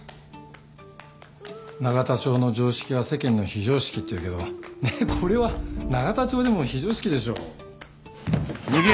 永田町の常識は世間の非常識っていうけどねっこれは永田町でも非常識でしょ。